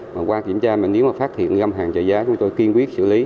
và qua kiểm tra mà nếu mà phát hiện găm hàng trở giá chúng tôi kiên quyết xử lý